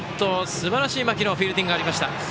すばらしい間木のフィールディングがありました。